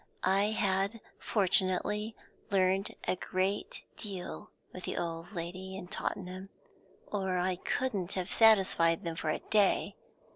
I had fortunately learnt a great deal with the old lady in Tottenham, or I couldn't have satisfied them for a day.